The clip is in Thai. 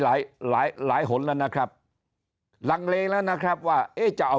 หลายหลายหลายหลายหนแล้วนะครับหลังเลงแล้วนะครับว่าจะเอา